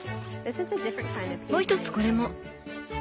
もう一つこれも。